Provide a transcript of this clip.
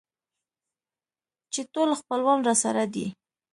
چې ټول خپلوان راسره دي.